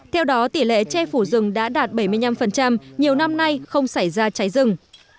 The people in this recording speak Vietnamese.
theo đó tỷ lệ che phủ rừng đã đạt bảy mươi năm nhiều năm nay không xảy ra cháy rừng